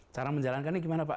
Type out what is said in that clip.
cara menjalankannya gimana pak